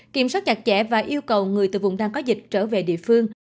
kiểm soát chặt chẽ và yêu cầu người từ vùng đang có dịch trở về địa phương